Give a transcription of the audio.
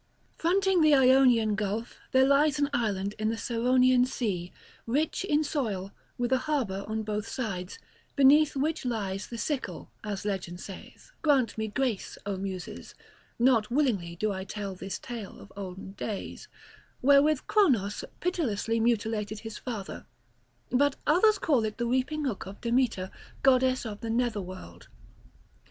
Fronting the Ionian gulf there lies an island in the Ceraunian sea, rich in soil, with a harbour on both sides, beneath which lies the sickle, as legend saith—grant me grace, O Muses, not willingly do I tell this tale of olden days—wherewith Cronos pitilessly mutilated his father; but others call it the reaping hook of Demeter, goddess of the nether world.